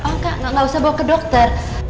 oh kak gak usah bawa ke dokter